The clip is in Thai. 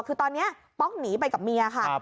คือตอนนี้ป๊อกหนีไปกับเมียค่ะ